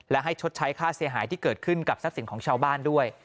และให้ชดใช้ค่าเสียหายที่เกิดขึ้นกับทรัพย์สินของชาวบ้านด้วย